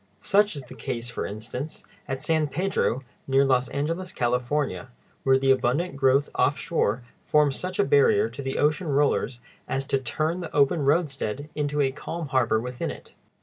Such is the case, for instance, at San Pedro, near Los Angeles, California, where the abundant growth offshore forms such a barrier to the ocean rollers as to turn the open roadstead into a calm harbor within it.